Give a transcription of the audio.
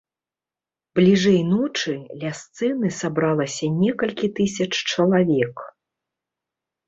Бліжэй ночы ля сцэны сабралася некалькі тысяч чалавек.